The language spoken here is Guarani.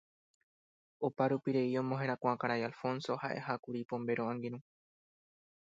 Oparupirei omoherakuã Karai Alfonso ha'ehákuri Pombéro angirũ.